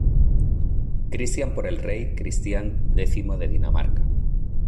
Christian por el rey Cristián X de Dinamarca.